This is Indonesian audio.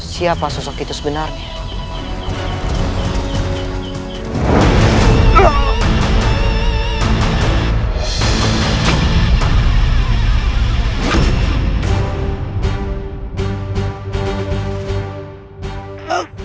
siapa sosok itu sebenarnya